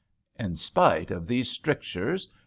" In spite of these strictures.